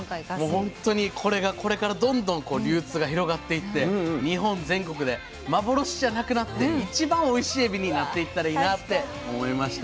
もうほんとにこれがこれからどんどん流通が広がっていって日本全国で幻じゃなくなって一番おいしいエビになっていったらいいなって思いました。